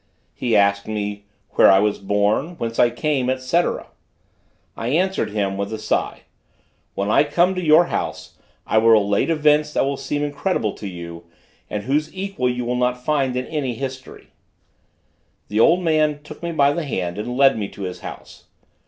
He asked me, "where I was born, whence I came, &c." I answered him, with a sigh: "When I come to your house, I will relate events that will seem incredible to you, and whose equals you will not find in any history." The old man then took me by the hand and led me to his house.